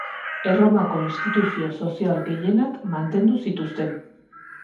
Erromako instituzio sozial gehienak mantendu zituzten.